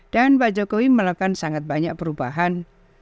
dan pak jokowi melakukan sangat banyak perubahan